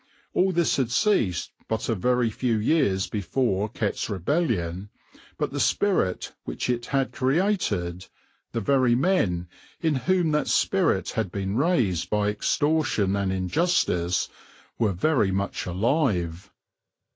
All this had ceased but a very few years before Kett's Rebellion, but the spirit which it had created, the very men in whom that spirit had been raised by extortion and injustice, were very much alive.